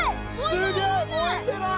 すげえ燃えてない！